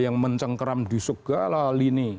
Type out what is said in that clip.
yang mencengkeram di segala lini